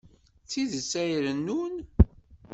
D tidet ay irennun.